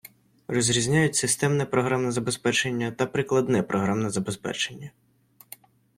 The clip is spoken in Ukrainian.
Розрізняють системне програмне забезпечення та прикладне програмне забезпечення.